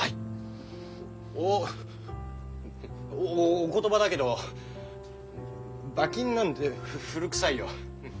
おお言葉だけど馬琴なんて古くさいよ。